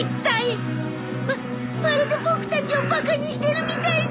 ままるでボクたちをバカにしてるみたいだ。